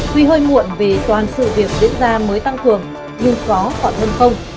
tuy hơi muộn vì toàn sự việc diễn ra mới tăng cường nhưng có còn hơn không